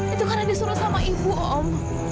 itu karena disuruh sama ibu om